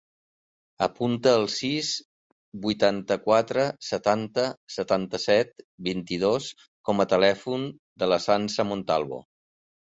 Apunta el sis, vuitanta-quatre, setanta, setanta-set, vint-i-dos com a telèfon de la Sança Montalvo.